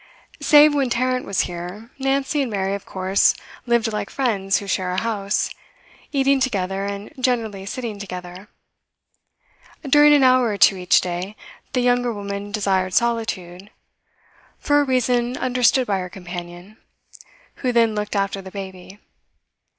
Save when Tarrant was here, Nancy and Mary of course lived like friends who share a house, eating together and generally sitting together. During an hour or two each day the younger woman desired solitude, for a reason understood by her companion, who then looked after the baby.